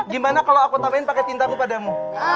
gimana kalo aku tambahin pake tintaku padamu